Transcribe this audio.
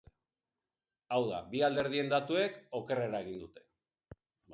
Hau da, bi alderdien datuek okerrera egin dute.